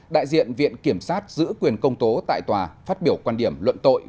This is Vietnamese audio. đại diện viện kiểm sát giữ quyền công tố tại tòa phát biểu quan điểm luận tội